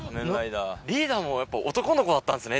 リーダーもやっぱ男の子だったんですね